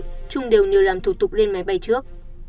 trung đều nhờ làm thủ tục lên máy bay trước